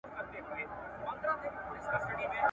چي د دې به څه حکمت، څه فلسفه وي ..